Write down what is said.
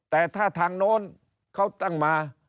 แต่ถ้าทางโน้นเขาตั้งมา